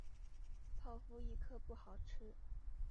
泡芙一颗不好吃